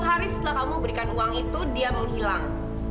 satu hari setelah kamu memberikan uang itu dia menghilang